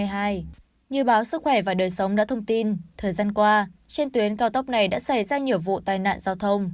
như báo sức khỏe và đời sống đã thông tin thời gian qua trên tuyến cao tốc này đã xảy ra nhiều vụ tai nạn giao thông